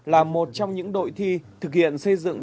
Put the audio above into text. là một trong những đội thi thực hiện xây dựng